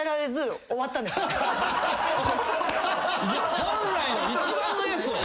本来の一番のやつを。